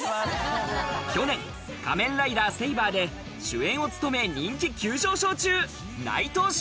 去年、『仮面ライダーセイバー』で主演を務め、人気急上昇中。